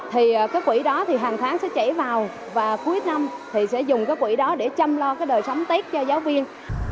thì cái quỹ đó thì hàng tháng sẽ chảy vào và cuối năm thì sẽ dùng cái quỹ đó để chăm lo cái đời sống tết cho giáo viên